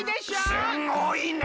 すごいね！